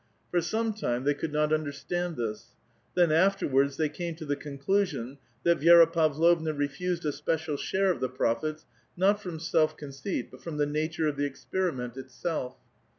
For some time they could not understand this ; "t^lieii afterwards they came to the conclusion that Vi^ra Pav lov ua refused a special share of the profits, not from self c^onceit, but from the nature of the experiment itself.